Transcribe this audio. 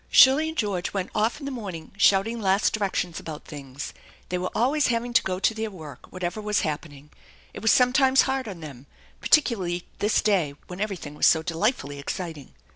Shirley and George went off in the morning shouting last directions about things. They were always having to go to their work whatever was happening. It was sometimes hard on them, particularly this day when everything was so delightfully exciting.